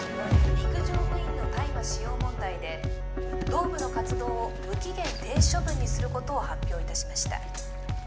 陸上部員の大麻使用問題で同部の活動を無期限停止処分にすることを発表いたしました